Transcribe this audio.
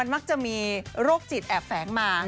มักจะมีโรคจิตแอบแฝงมา